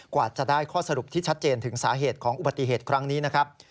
กว่าจะได้ข้อสรุปที่ชัดเจนถึงสาเหตุของอุบัติเหตุครั้งนี้นะครับ